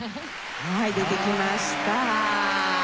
はい出てきました。